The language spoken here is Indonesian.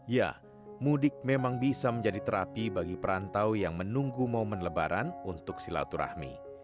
ya mudik memang bisa menjadi terapi bagi perantau yang menunggu momen lebaran untuk silaturahmi